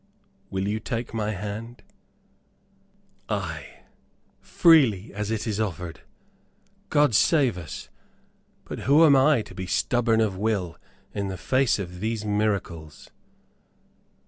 Will you take my hand?" "Ay, freely as it is offered. God save us; but who am I to be stubborn of will, in the face of these miracles?"